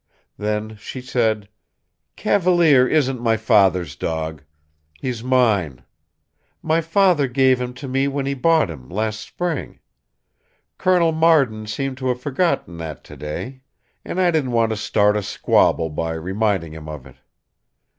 Then she said: "Cavalier isn't my father's dog. He is mine. My father gave him to me when he bought him, last spring. Colonel Marden seemed to have forgotten that to day. And I didn't want to start a squabble by reminding him of it.